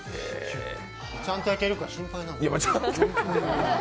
ちゃんと焼けるか心配なんですけど。